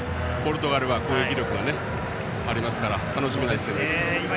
一方のポルトガルは攻撃力がありますから楽しみです。